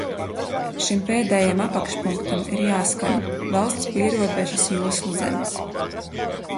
"Šim pēdējam apakšpunktam ir jāskan: "Valsts pierobežas joslu zemes"."